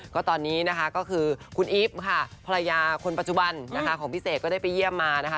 ก็ตอนนี้นะคะก็คือคุณอีฟค่ะภรรยาคนปัจจุบันนะคะของพี่เสกก็ได้ไปเยี่ยมมานะคะ